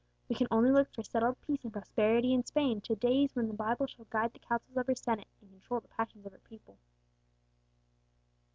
We can only look for settled peace and prosperity in Spain to days when the Bible shall guide the counsels of her Senate, and control the passions of her people.